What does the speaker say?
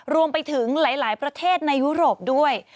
รวมไปถึงหลายประเทศในยุโรปด้วย